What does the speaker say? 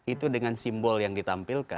itu dengan simbol yang ditampilkan